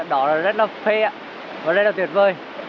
đó là rất là phê và rất là tuyệt vời